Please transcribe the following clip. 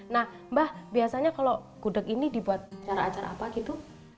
nah mbah biasanya kalau gudeg ini dibuat acara acara apa gitu